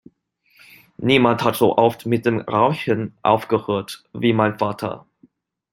Niemand hat so oft mit dem Rauchen aufgehört wie mein Vater.